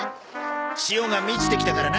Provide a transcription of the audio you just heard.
潮が満ちてきたからな。